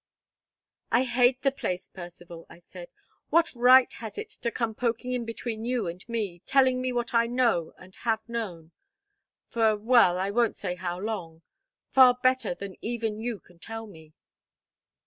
"I hate the place, Percivale," I said. "What right has it to come poking in between you and me, telling me what I know and have known for, well, I won't say how long far better than even you can tell me?"